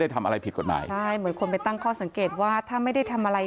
ได้ทำอะไรผิดกว่าในคนไปตั้งข้อสังเกตว่าถ้าไม่ได้ทำอะไร